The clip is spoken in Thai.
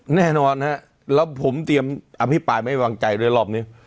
แน่นอนฮะแล้วผมเตรียมอภิปรายไม่วางใจด้วยรอบนี้